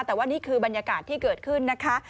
แต่ว่านี่คือบรรยากาศที่เกิดขึ้นนะคะ